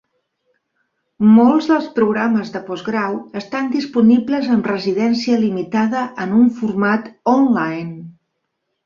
Molts dels programes de postgrau estan disponibles amb residència limitada en un format on-line.